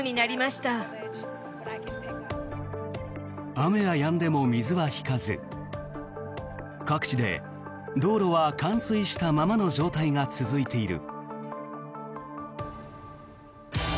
雨がやんでも水は引かず各地で道路は冠水したままの状態が続いている。